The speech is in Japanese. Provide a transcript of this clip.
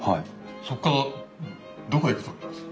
そこからどこへ行くと思います？